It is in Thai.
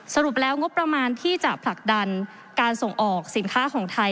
สรุปแล้วงบประมาณที่จะผลักดันการส่งออกสินค้าของไทย